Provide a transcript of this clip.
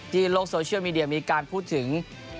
โลกโซเชียลมีเดียมีการพูดถึง